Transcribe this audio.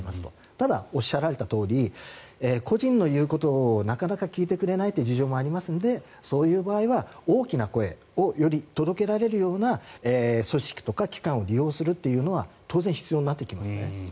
ただ、おっしゃられたとおり個人の言うことをなかなか聞いてくれないという事情もありますのでそういう場合は大きな声をより届けられるような組織とか機関を利用するというのは当然、必要になってきますね。